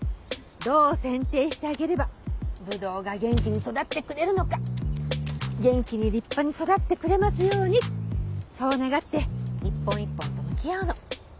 どう剪定してあげればブドウが元気に育ってくれるのか元気に立派に育ってくれますようにそう願って一本一本と向き合うの。